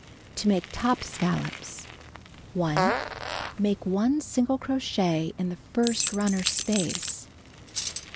To Make Top Scallops: 1. Make 1 single crochet in the first runner space.